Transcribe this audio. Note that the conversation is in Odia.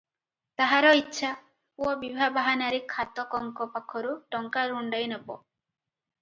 ତାହାର ଇଚ୍ଛା, ପୁଅ ବିଭା ବାହାନାରେ ଖାତକଙ୍କ ପାଖରୁ ଟଙ୍କା ରୁଣ୍ଡାଇ ନେବ ।